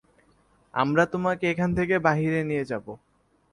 আমরা তোমাকে এখান থেকে বাহিরে নিয়ে যাব।